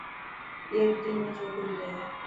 اي ري ٽيم ۾ ڇوڪري هي.